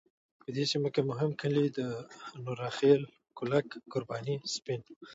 په دې سیمه کې مهم کلی د نوره خیل، کولک، قرباني، سپین .